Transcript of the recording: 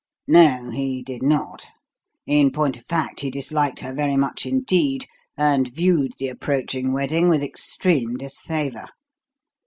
"No, he did not. In point of fact, he disliked her very much indeed, and viewed the approaching wedding with extreme disfavour."